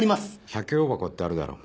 百葉箱ってあるだろ。